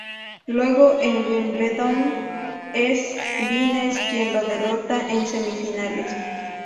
Luego en Wimbledon es Vines quien lo derrota en semifinales.